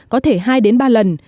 có thể hai đến ba lần